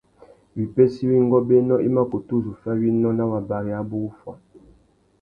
Wipêssê iwí ngôbēnô i mà kutu zu fá winô nà wabari abú wuffuá.